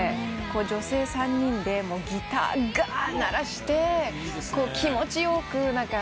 女性３人でギターがー鳴らして気持ちよく。